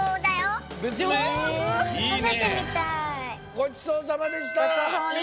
ごちそうさまでした！